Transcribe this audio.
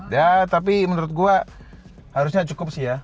ya tapi menurut gue harusnya cukup sih ya